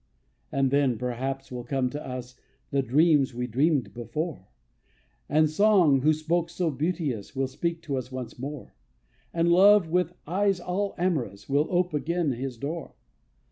And then, perhaps, will come to us The dreams we dreamed before; And song, who spoke so beauteous, Will speak to us once more; And love, with eyes all amorous, Will ope again his door.